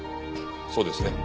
そうですね？